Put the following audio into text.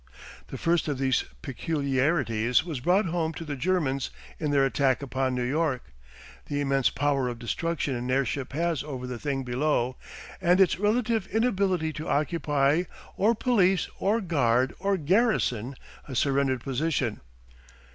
The first of these peculiarities was brought home to the Germans in their attack upon New York; the immense power of destruction an airship has over the thing below, and its relative inability to occupy or police or guard or garrison a surrendered position.